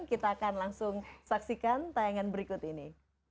kita akan langsung saksikan tayangan berikut ini